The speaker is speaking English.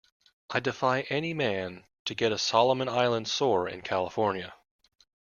I defy any man to get a Solomon Island sore in California.